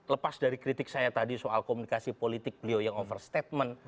lepas dari kritik saya tadi soal komunikasi politik beliau yang overstatement